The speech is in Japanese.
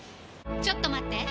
ちょっと待って！